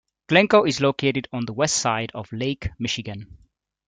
Glencoe is located on the west side of Lake Michigan.